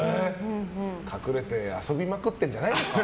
隠れて遊びまくってるんじゃないのか？